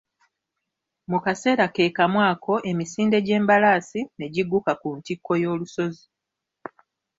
Mu kaseera ke kamu ako emisinde gy'embalaasi ne gigguka ku ntikko y'olusozi.